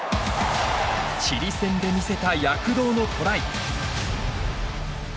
チリ戦で見せた、躍動のトライ。